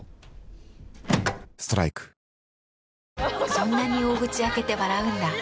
そんなに大口開けて笑うんだ。